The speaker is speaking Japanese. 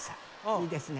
いいですね。